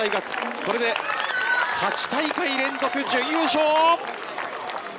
これで８大会連続準優勝。